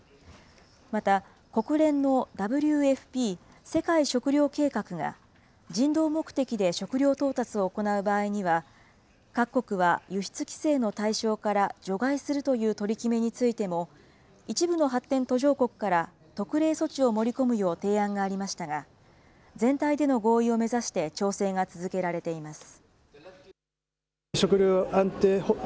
また、国連のＷＦＰ・世界食糧計画は人道目的で食料調達を行う場合には、各国は輸出規制の対象から除外するという取り決めについても、一部の発展途上国から特例措置を盛り込むよう提案がありましたが、全体での合意を目指して調整が続けられています。